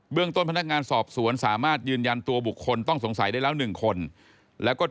ต้นพนักงานสอบสวนสามารถยืนยันตัวบุคคลต้องสงสัยได้แล้ว๑คนแล้วก็